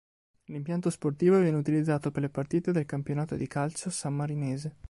L'impianto sportivo viene utilizzato per le partite del Campionato di calcio sammarinese.